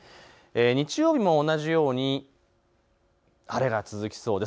日曜日も同じように晴れが続きそうです。